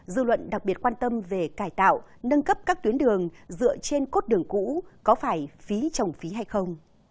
dư luận đặc biệt quan tâm về cải tạo nâng cấp các tuyến đường dựa trên cốt đường cũ có phải phí trồng phí hay không